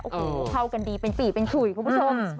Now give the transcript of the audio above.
โอ้โหเข้ากันดีเป็นปี่เป็นขุยคุณผู้ชม